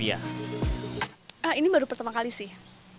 iya ini baru pertama kali sih